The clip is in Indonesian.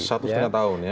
satu setengah tahun ya